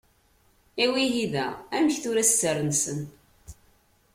I wihida amek tura sser-nsen.